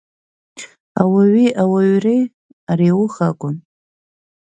Ауаҩи ауаҩреи ари ауха акәын.